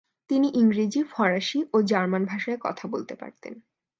তিনি ইংরেজি, ফরাসি ও জার্মান ভাষায় কথা বলতে পারতেন।